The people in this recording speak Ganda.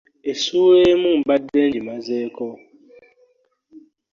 Essuula emu mbadde ngimazeeko.